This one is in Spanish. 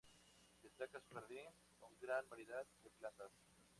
Destaca su jardín con gran variedad de plantas.